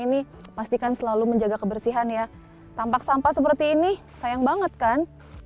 ini pastikan selalu menjaga kebersihan ya tampak sampah seperti ini sayang banget kan